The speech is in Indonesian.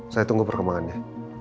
saya tunggu perkembangannya